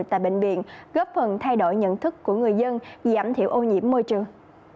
tại bệnh viện góp phần thay đổi nhận thức của người dân giảm thiểu ô nhiễm môi trường